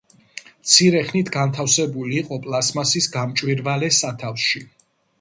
მცირე ხნით განთავსებული იყო პლასტმასის გამჭვირვალე სათავსში.